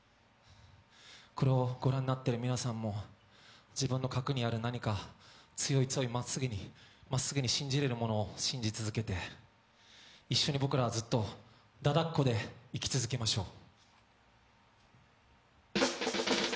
これをご覧になってる皆さんも自分の核にある何か強い強いまっすぐに信じられるものを信じ続けて、一緒に僕らはずっとだだっ子でい続けましょう。